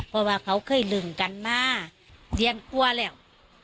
เพราะว่าเขาเคยลืมกันมาเรียนกลัวแล้ว